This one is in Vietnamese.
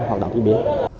hoạt động thiết bị